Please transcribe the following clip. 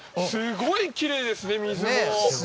すごいきれいですね。